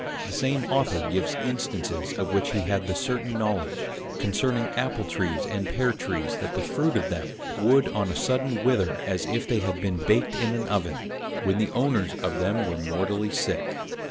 The same Author gives Instances of which he had the certain knowledge, concerning Apple trees and Pear trees, that the Fruit of them would on a sudden wither as if they had been baked in an Oven, when the owners of them were mortally sick.